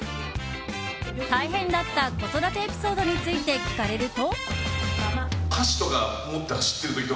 大変だった子育てエピソードについて聞かれると。